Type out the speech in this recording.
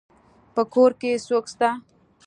په کور کي څوک سته.